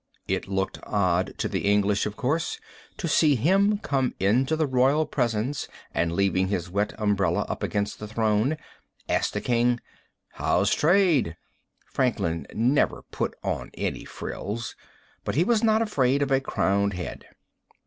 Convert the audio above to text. It looked odd to the English, of course, to see him come into the royal presence, and, leaving his wet umbrella up against the throne, ask the king: "How's trade?" Franklin never put on any frills, but he was not afraid of a crowned head.